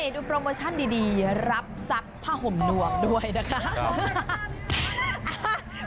ดูโปรโมชั่นดีรับซักผ้าห่มหนวกด้วยนะคะ